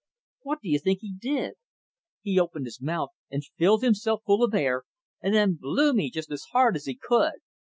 What do you think he did? He opened his mouth and filled himself full of air, and then blew me just as hard as he could.